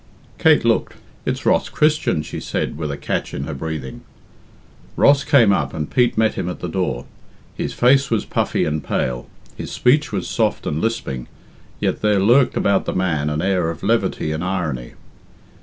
Kate looked. "It's Ross Christian," she said, with a catch in her breathing. Ross came up, and Pete met him at the door. His face was puffy and pale, his speech was soft and lisping, yet there lurked about the man an air of levity and irony.